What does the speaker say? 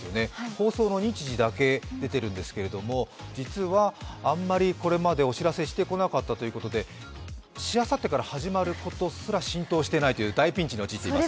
放送の日時だけ出てるんですけれども、実はあんまりこれまでお知らせしてこなかったということで、しあさってから始まることすら浸透していないという大ピンチの事態です。